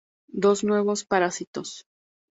Dos nuevos parásitos".